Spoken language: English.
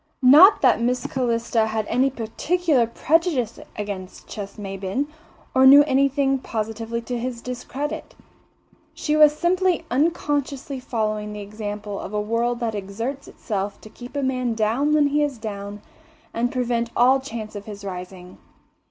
Not that Miss Calista had any particular prejudice against Ches Maybin, or knew anything positively to his discredit. She was simply unconsciously following the example of a world that exerts itself to keep a man down when he is down and prevent all chance of his rising.